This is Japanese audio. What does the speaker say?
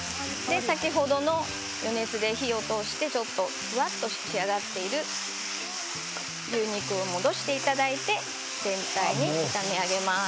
先ほどの余熱で火を通してちょっとふわっと仕上がっている牛肉を戻していただいて全体に炒め上げます。